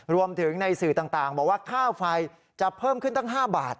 รวมถึงในสื่อต่างบอกว่าค่าไฟจะเพิ่มขึ้นตั้ง๕บาท